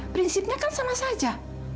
prinsipnya kan sama saja